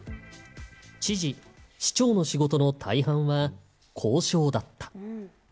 知事、市長の仕事の大半は交渉だった。